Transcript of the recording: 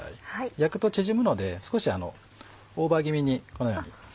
焼くと縮むので少しオーバー気味にこのように。